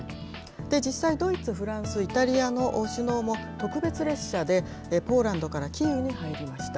実際、ドイツ、フランス、イタリアの首脳も特別列車でポーランドからキーウに入りました。